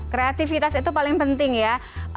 kreativitas itu paling penting ya